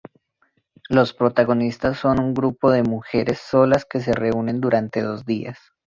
Las protagonistas son un grupo de mujeres solas que se reúnen durante dos días.